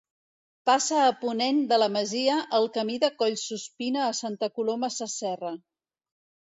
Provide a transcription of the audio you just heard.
Passa a ponent de la masia el Camí de Collsuspina a Santa Coloma Sasserra.